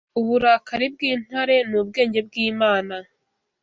Uburakari bw'intare ni ubwenge bw'Imana